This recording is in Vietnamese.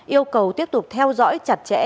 yêu cầu tiếp tục theo dõi chặt chẽ